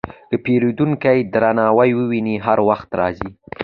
که پیرودونکی درناوی وویني، هر وخت راځي.